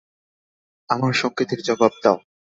আমার সংকেতের জবাব দাও।